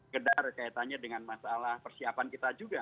kedar kaitannya dengan masalah persiapan kita juga